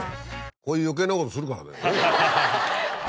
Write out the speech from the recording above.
こういう余計なことするからだよね。